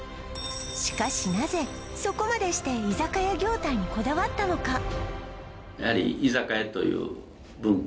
しかしなぜそこまでして居酒屋業態にこだわったのか